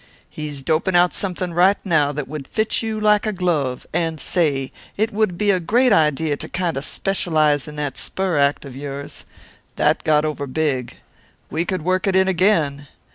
He's doping out something right now that would fit you like a glove and say, it would be a great idea to kind a' specialize in that spur act of yours. That got over big. We could work it in again.